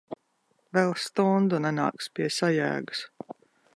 Vēl stundu nenāks pie sajēgas.